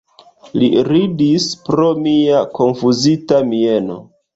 Li ridis pro mia konfuzita mieno.